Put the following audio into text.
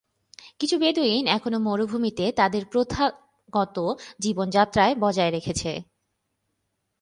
কিছু বেদুইন এখনও মরুভূমিতে তাদের প্রথাগত জীবনযাত্রা বজায় রেখেছে।